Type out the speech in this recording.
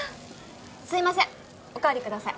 すいませんおかわりください。